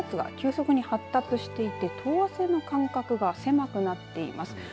この低気圧が急速に発達していて等圧線の間隔が狭くなっています。